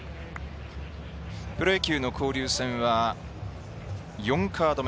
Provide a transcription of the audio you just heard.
プロ野球の交流戦は４カード目。